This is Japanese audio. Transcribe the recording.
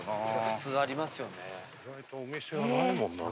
普通ありますよね。